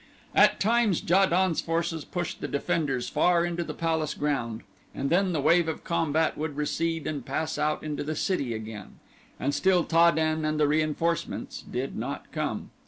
At times Ja don's forces pushed the defenders far into the palace ground and then the wave of combat would recede and pass out into the city again. And still Ta den and the reinforcements did not come.